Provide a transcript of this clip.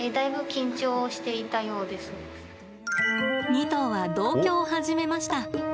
２頭は、同居を始めました。